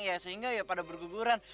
ya sehingga ya pada berguguran